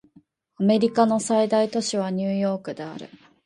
アメリカの最大都市はニューヨークである